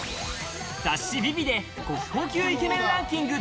雑誌『ＶｉＶｉ』で国宝級イケメンランキング